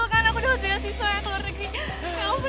ya ampun seneng banget